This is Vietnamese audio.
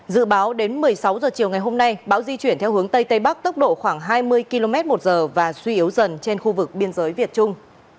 dự báo đến một mươi sáu h chiều ngày hôm nay bão di chuyển theo hướng tây tây bắc tốc độ khoảng hai mươi km một giờ và suy yếu dần trên khu vực biên giới việt trung